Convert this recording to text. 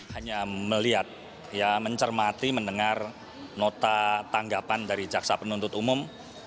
hanya melihat ya mencermati mendengar nota tanggapan dari jaksa penuntut umum